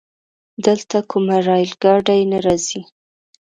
دلته کومه رايل ګاډی نه راځي؟